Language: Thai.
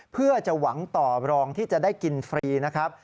เพื่อจะหวังต่อรองที่จะได้กินฟรีนะครับ